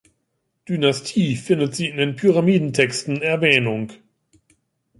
Dynastie findet sie in den Pyramidentexten Erwähnung.